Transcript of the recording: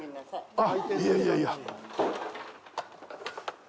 あっ、いやいやいや。